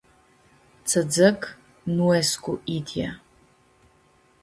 Tsã dzãc nu escu idyea.